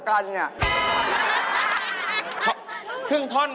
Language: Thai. หายไปเลย